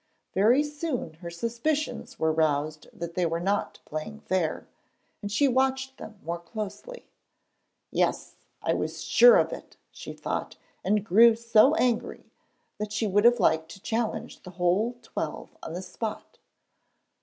Very soon, her suspicions were roused that they were not playing fair, and she watched them more closely. 'Yes; I was sure of it,' she thought, and grew so angry that she would have liked to challenge the whole twelve on the spot.